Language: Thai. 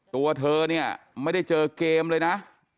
ตัวเธอเนี่ยไม่ได้เจอเกมเลยนะ